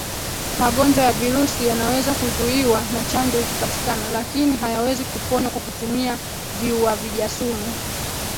Magonjwa ya virusi yanaweza kuzuiwa na chanjo ikipatikana lakini hayawezi kuponywa kwa kutumia viuavijasumu